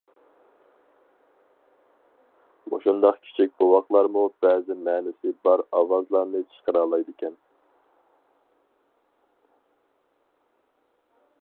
مۇشۇنداق كىچىك بوۋاقلارمۇ بەزى مەنىسى بار ئاۋازلارنى چىقىرالايدىكەن.